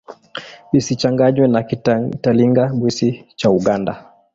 Isichanganywe na Kitalinga-Bwisi cha Uganda.